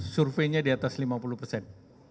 surveinya di atas lima puluh persen